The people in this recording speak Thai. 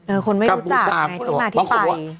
คนไม่รู้จักไงที่มาที่ไป